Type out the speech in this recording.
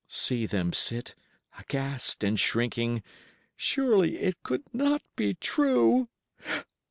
See them sit, aghast and shrinking! Surely it could not be true!